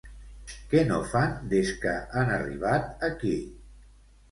Què no fan des que han arribat aquí?